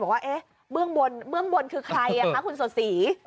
บอกว่าเบื้องบนคือใครคุณสดสี